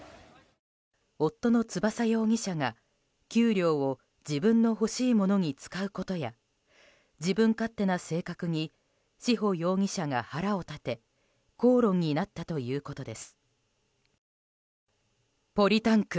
夫の翼容疑者が、給料を自分の欲しいものに使うことや自分勝手な性格に志保容疑者が腹を立て口論になったということです。